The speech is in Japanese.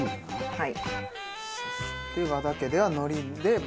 はい。